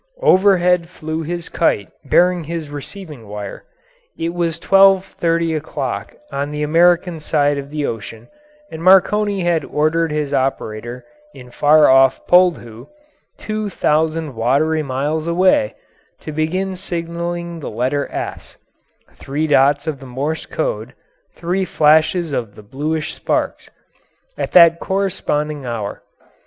Overhead flew his kite bearing his receiving wire. It was 12:30 o'clock on the American side of the ocean, and Marconi had ordered his operator in far off Poldhu, two thousand watery miles away, to begin signalling the letter "S" three dots of the Morse code, three flashes of the bluish sparks at that corresponding hour.